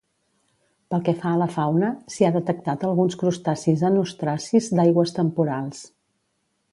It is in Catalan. Pel que fa a la fauna, s'hi ha detectat alguns crustacis anostracis d’aigües temporals.